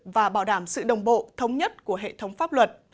và bảo đảm sự đồng bộ thống nhất của hệ thống pháp luật